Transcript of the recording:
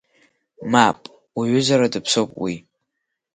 Мап, уҩызара даԥсоуп уи!